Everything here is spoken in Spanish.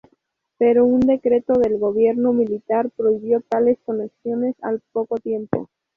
Pero un decreto del gobierno militar prohibió tales conexiones al poco tiempo.